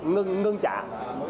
ngưng những cái kế ốt